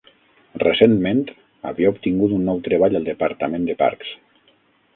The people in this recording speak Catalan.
Recentment, havia obtingut un nou treball al Departament de Parcs.